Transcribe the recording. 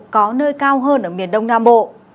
có nơi cao hơn ở miền đông nam bộ